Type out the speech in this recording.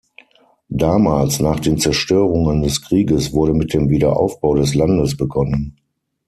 Damals, nach den Zerstörungen des Krieges, wurde mit dem Wiederaufbau des Landes begonnen.